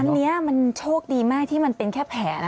อันนี้มันโชคดีมากที่มันเป็นแค่แผน